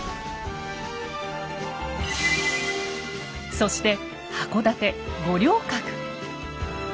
そして箱館五稜郭。